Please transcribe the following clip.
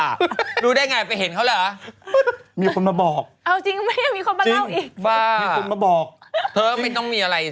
รู้หรือได้ไงไปเห็นเขาแหละ